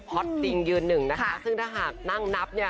อตจริงยืนหนึ่งนะคะซึ่งถ้าหากนั่งนับเนี่ย